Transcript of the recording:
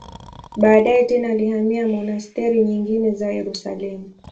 Baadaye tena alihamia monasteri nyingine za Yerusalemu.